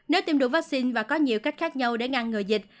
nếu tiêm đủ vaccine và có nhiều cách khác nhau để ngăn ngừa dịch